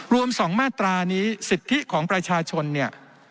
รวม๒มาตรานี้สิทธิของประชาชนเนี่ย